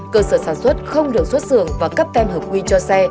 cơ sở sản xuất không được xuất dường và cấp tem hợp quy cho xe